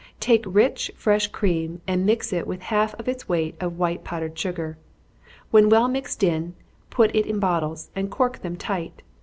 _ Take rich, fresh cream, and mix it with half of its weight of white powdered sugar. When well mixed in, put it in bottles, and cork them tight.